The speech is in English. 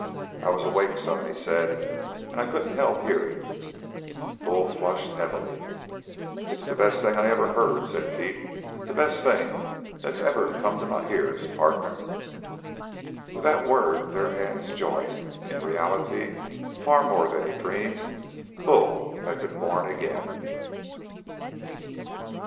"I was awake, son," he said, "and I couldn't help hearing." Bull flushed heavily. "It's the best thing I ever heard," said Pete. "The best thing that's ever come to my ears partner!" With that word their hands joined. In reality, far more than he dreamed, Bull had been born again.